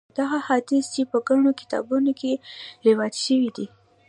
دغه حدیث چې په ګڼو کتابونو کې روایت شوی دی.